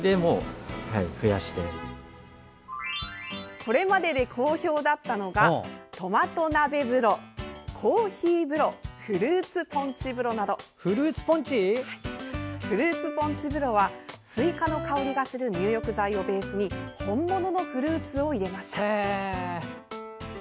これまでで好評だったのが「トマト鍋風呂」「コーヒー風呂」「フルーツポンチ風呂」など。「フルーツポンチ風呂」はスイカの香りがする入浴剤をベースに本物のフルーツを入れました。